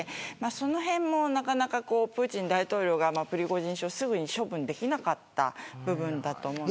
そのへんも、プーチン大統領がプリゴジン氏をすぐに処分できなかった部分だと思うんです。